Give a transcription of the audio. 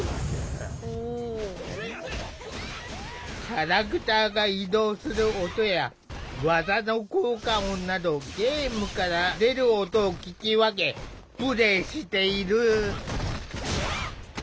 キャラクターが移動する音や技の効果音などゲームから出る音を聞き分けプレイしている。